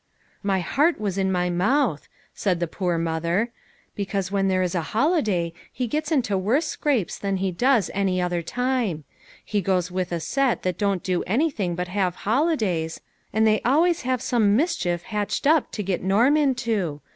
" My heart was in my mouth," said the poor mother; "because when there is a holiday he gets into worse scrapes than he does any other time ; he goes with a set that don't do anything but have holidays, and they "always" have some mischief hatched up to get Norm into.